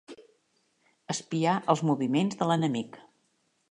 Espiar els moviments de l'enemic.